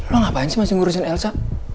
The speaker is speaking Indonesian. lo ngapain sih masih ngurusin elsa